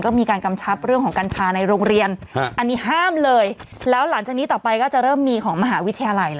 ก็มีการกำชับเรื่องของกัญชาในโรงเรียนอันนี้ห้ามเลยแล้วหลังจากนี้ต่อไปก็จะเริ่มมีของมหาวิทยาลัย